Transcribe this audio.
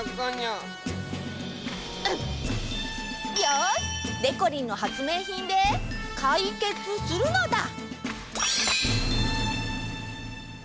うん！よし！でこりんの発明品でかいけつするのだ！